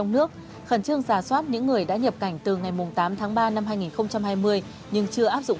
nước khẩn trương giả soát những người đã nhập cảnh từ ngày tám tháng ba năm hai nghìn hai mươi nhưng chưa áp dụng